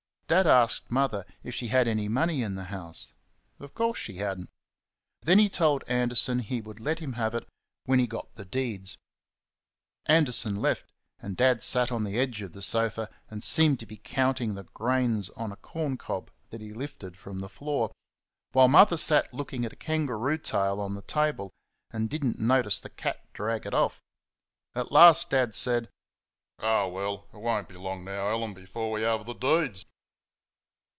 Dad asked Mother if she had any money in the house? Of course she had n't. Then he told Anderson he would let him have it when he got the deeds. Anderson left, and Dad sat on the edge of the sofa and seemed to be counting the grains on a corn cob that he lifted from the floor, while Mother sat looking at a kangaroo tail on the table and did n't notice the cat drag it off. At last Dad said, "Ah, well! it won't be long now, Ellen, before we have the deeds!"